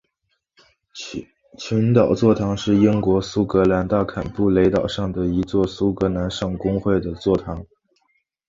群岛座堂是英国苏格兰大坎布雷岛上的一座苏格兰圣公会的座堂。